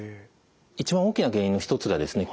一番大きな原因の一つが腱鞘炎ですね。